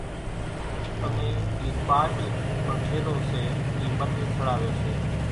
انين اِي پاٺ ڪان ڇيلو سي اِي مڍين سڙاوي سي۔